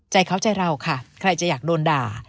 ใจเขาใจเราค่ะใครจะอยากโดนด่า